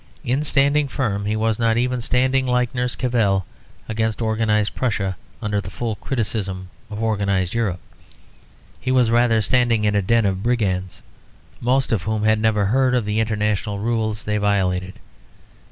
In standing firm he was not even standing like Nurse Cavell against organised Prussia under the full criticism of organised Europe. He was rather standing in a den of brigands, most of whom had never heard of the international rules they violated.